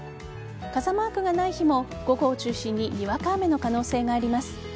傘マークがない日も午後を中心ににわか雨の可能性があります。